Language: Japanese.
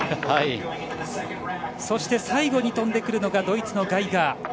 そして最後に飛んでくるのがドイツのガイガー。